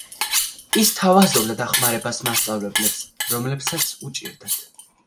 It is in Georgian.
ის სთავაზობდა დახმარებას მასწავლებლებს რომლებსაც უჭირდათ.